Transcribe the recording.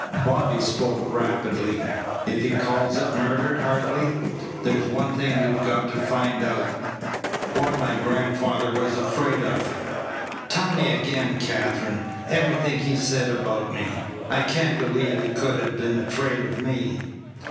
Bobby spoke rapidly. "If he calls it murder, Hartley, there's one thing we've got to find out: what my grandfather was afraid of. Tell me again, Katherine, everything he said about me. I can't believe he could have been afraid of me."